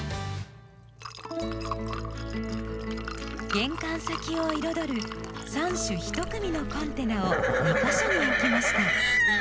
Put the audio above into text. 玄関先を彩る３種１組のコンテナを２か所に置きました。